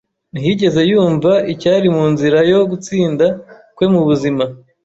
Ntiyigeze yumva icyari mu nzira yo gutsinda kwe mu buzima.